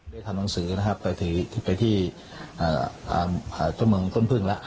ได้ทำหนังสือนะครับไปที่ไปที่อ่าอ่าเจ้าเมืองต้นพึ่งล่ะ